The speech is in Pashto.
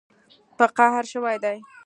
په قهر شوي دي